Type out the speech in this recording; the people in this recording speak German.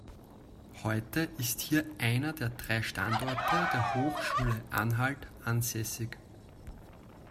Heute ist hier einer der drei Standorte der Hochschule Anhalt ansässig.